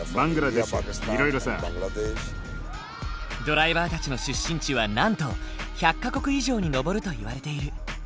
ドライバーたちの出身地はなんと１００か国以上に上るといわれている。